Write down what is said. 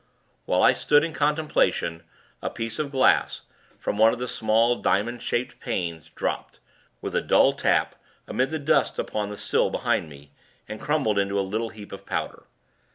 While I stood, in contemplation, a piece of glass, from one of the small, diamond shaped panes, dropped, with a dull tap, amid the dust upon the sill behind me, and crumbled into a little heap of powder.